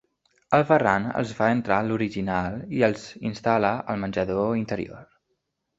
El Ferran els fa entrar a l'Horiginal i els instal·la al menjador interior.